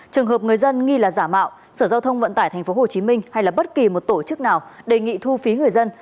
trường hợp người dân nghi là giả mạo sở giao thông vận tải tp hcm hay là bất kỳ một tổ chức nào đề nghị thu phí người dân